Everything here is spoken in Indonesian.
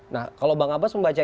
nah kalau bang abbas membaca